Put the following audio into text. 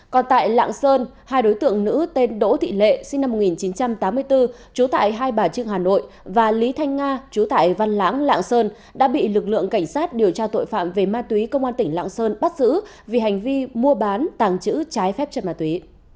còn tại lạng sơn hai đối tượng nữ tên đỗ thị lệ sinh năm một nghìn chín trăm tám mươi bốn trú tại hai bà trưng hà nội và lý thanh nga chú tại văn lãng lạng sơn đã bị lực lượng cảnh sát điều tra tội phạm về ma túy công an tỉnh lạng sơn bắt giữ vì hành vi mua bán tàng trữ trái phép chất ma túy